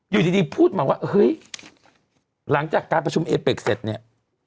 อยู่ดีพูดมาว่าเฮ้ยหลังจากการประชุมเอเป็กเสร็จเนี่ย